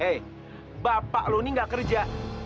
hei bapak lo nih nggak kerja